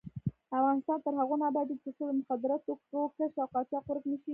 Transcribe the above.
افغانستان تر هغو نه ابادیږي، ترڅو د مخدره توکو کښت او قاچاق ورک نشي.